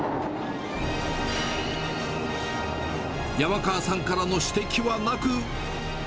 山川さんからの指摘はなく。